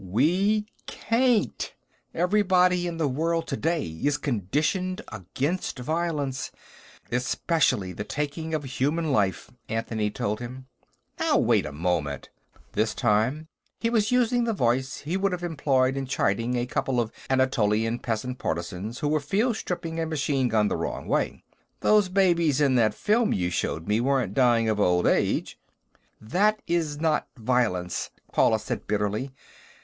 "We can't. Everybody in the world today is conditioned against violence, especially the taking of human life," Anthony told him. "Now, wait a moment!" This time, he was using the voice he would have employed in chiding a couple of Anatolian peasant partisans who were field stripping a machine gun the wrong way. "Those babies in that film you showed me weren't dying of old age...." "That is not violence," Paula said bitterly.